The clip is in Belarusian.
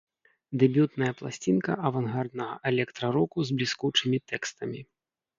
Дэбютная пласцінка авангарднага электра-року з бліскучымі тэкстамі.